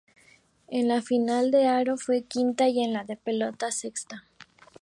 En la final de aro fue quinta y en la de pelota, sexta.